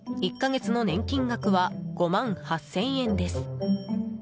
１か月の年金額は５万８０００円です。